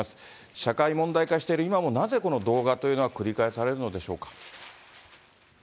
社会問題化している今も、なぜ、この動画というのは繰り返されるのでしょうか。